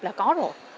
là có rồi